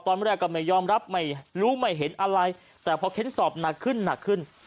ตอนแรกก็ไม่ยอมรับไม่รู้ไม่เห็นอะไรแต่พอเค้นสอบหนักขึ้นหนักขึ้น